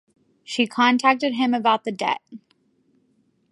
She contacted him about the debt.